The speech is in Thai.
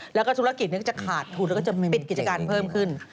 แล้วก็ธุรกิจก็จะขาดทุนแล้วก็จะปิดกิจการเพิ่มขึ้น